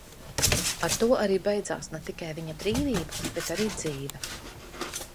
Ar to arī beidzās ne tikai viņa brīvība, bet arī dzīve.